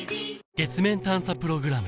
月面探査プログラム